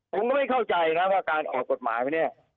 ผมก็ไม่เข้าใจนะว่าการออกกฎหมายไปเนี่ย